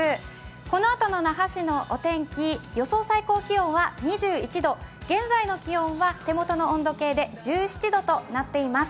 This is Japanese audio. このあとの那覇市のお天気、予想最高気温は２１度、現在の気温は手元の温度計で１７度となっています。